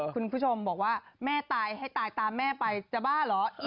คุณผู้ชมบอกว่าแม่ตายให้ตายตามแม่ไปจะบ้าเหรอ